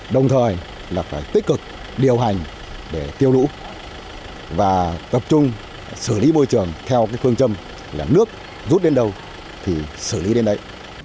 đồng thời là phải tích cực điều hành để tiêu lũ và tập trung xử lý môi trường theo phương châm là nước rút đến đâu thì xử lý đến đấy